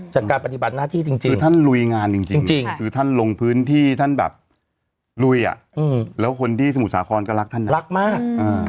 จากการปฏิบัติหน้าที่จริงคือท่านลุยงานจริงคือท่านลงพื้นที่ท่านแบบลุยอ่ะแล้วคนที่สมุทรสาครก็รักท่านนะรักมาก